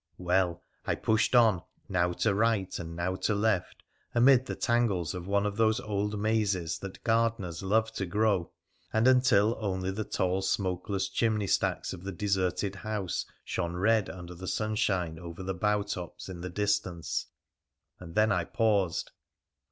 Well, I pushed on, now to right and now to left, amid the tangles of one of those old mazes that gardeners love to grow, and until only the tall smokeless chimney stacks of the deserted house shone red under the sunshine over the bough tops in the distance, and then I paused.